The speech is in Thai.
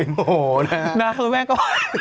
น้องหนุ่มแม่งก็